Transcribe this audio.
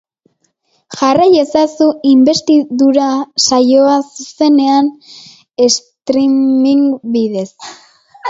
Jarrai ezazu inbestidura saioa, zuzenean, streaming bidez.